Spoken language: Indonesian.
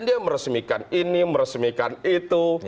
dia meresmikan ini meresmikan itu